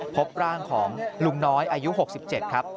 พบร่างของลุงน้อยอายุ๖๗ครับ